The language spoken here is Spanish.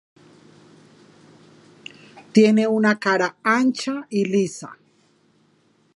Tiene una cara ancha y lisa.